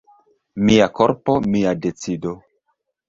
"Mia korpo, mia decido."